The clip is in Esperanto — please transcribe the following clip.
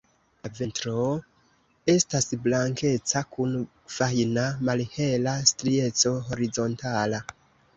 La ventro estas blankeca kun fajna malhela strieco horizontala.